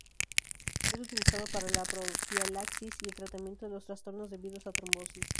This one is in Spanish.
Es utilizado para la profilaxis y el tratamiento de los trastornos debidos a trombosis.